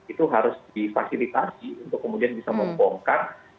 itu harus difasilitasi untuk kemudian bisa membongkar